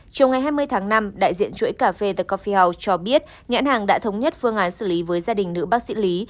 chiều ngày hai mươi tháng năm đại diện chuỗi cà phê the cophel cho biết nhãn hàng đã thống nhất phương án xử lý với gia đình nữ bác sĩ lý